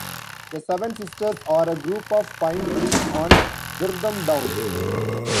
The "Seven Sisters" are a group of pine trees on Durdham Down.